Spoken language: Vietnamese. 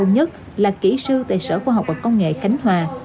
nhất là kỹ sư tại sở khoa học và công nghệ khánh hòa